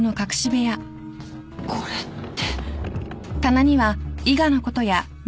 これって。